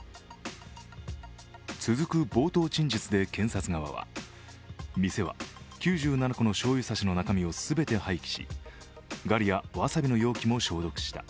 続く冒頭陳述で検察側は店は９７個のしょうゆ差しの中身を全て廃棄しガリやわさびの容器も消毒した。